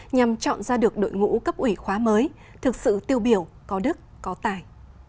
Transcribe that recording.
nhằm chọn ra được đội ngũ cấp ủy khóa mới thực sự tiêu biểu có đức có tài